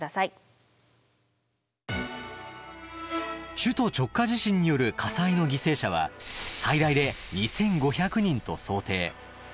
首都直下地震による火災の犠牲者は最大で２，５００人と想定。